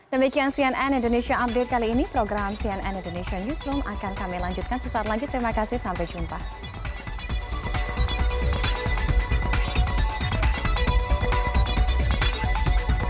sebelumnya seorang aktor bernama kevin spacey menunjukkan bahwa jika terjadi pelecehan seksual di kota kuala lumpur